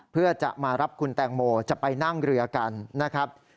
เพื่อจะมารับคุณแตงโมจะไปนั่งเรือกันนะครับ